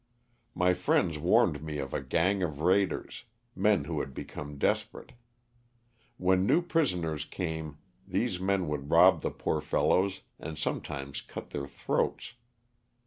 My friends warned me of a gang of raiders, men who had become desperate. When new prisoners came these men would rob the poor fellows and some times cut their throats.